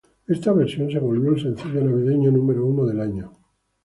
Esta versión se volvió el sencillo navideño número uno del año.